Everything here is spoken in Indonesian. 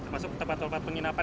masuk ke tempat tempat penginapan